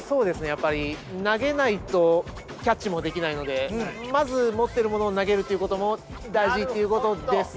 やっぱり投げないとキャッチもできないのでまず持ってるものを投げるということも大事っていうことですか？